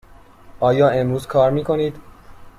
آیا امروز کار می کنید؟